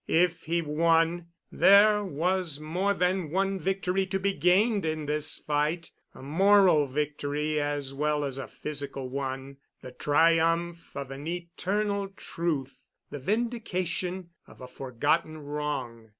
If he won, there was more than one victory to be gained in this fight, a moral victory as well as a physical one—the triumph of an eternal truth, the vindication of a forgotten wrong.